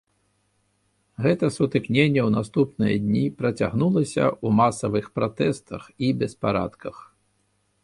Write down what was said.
Гэта сутыкненне ў наступныя дні працягнулася ў масавых пратэстах і беспарадках.